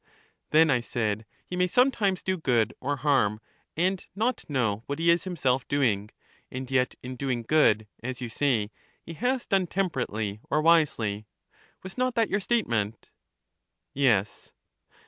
Then, I said, he may sometimes do good or harm, and not know what he is himself doing, and yet, in doing good, as you say, he has done temperately or wisely. Was not that your statement? Yes.